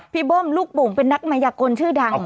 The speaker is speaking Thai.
พี่เบิ้มลูกปู๋งเป็นนักมายกนชื่อดัง